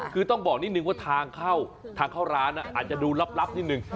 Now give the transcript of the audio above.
คือต้องบอกนิดหนึ่งว่าทางเขาร้านอาจจะดูลับนิดหนึ่ง